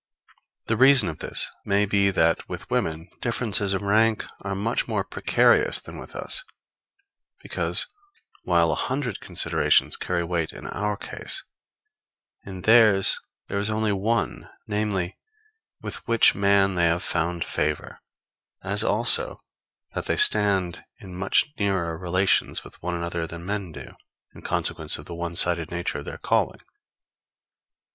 The reason of this may be that, with women, differences of rank are much more precarious than with us; because, while a hundred considerations carry weight in our case, in theirs there is only one, namely, with which man they have found favor; as also that they stand in much nearer relations with one another than men do, in consequence of the one sided nature of their calling.